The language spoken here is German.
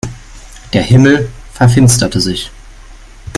Der Himmel verfinsterte sich.